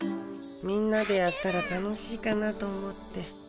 みんなでやったら楽しいかなと思って。